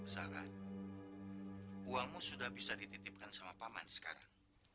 sarah uangmu sudah bisa dititipkan sama pak man sekarang